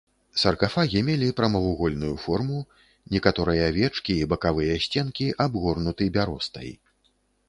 Саркафагі мелі прамавугольную форму, некаторыя вечкі і бакавыя сценкі абгорнуты бяростай.